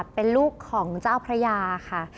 เป็นลูกของเจ้าพระยาค่ะ